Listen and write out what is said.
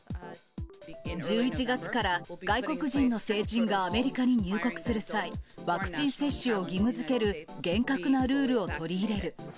１１月から外国人の成人がアメリカに入国する際、ワクチン接種を義務づける厳格なルールを取り入れる。